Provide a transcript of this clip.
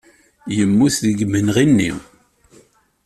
Yemmut deg yimenɣi-nni.